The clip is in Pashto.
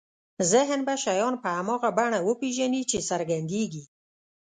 ذهن به شیان په هماغه بڼه وپېژني چې څرګندېږي.